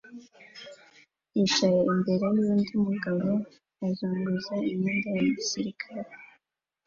yicara imbere yundi mugabo uzunguza imyenda ya gisirikare